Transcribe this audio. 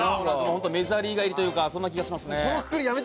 ホントメジャーリーガー入りというかそんな気がしますね。